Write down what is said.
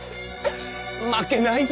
負けないぞ。